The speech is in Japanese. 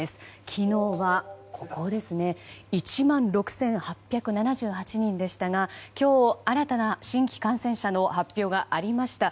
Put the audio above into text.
昨日は１万６８７８人でしたが今日、新たな新規感染者の発表がありました。